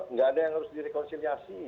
nggak ada yang harus direkonsiliasi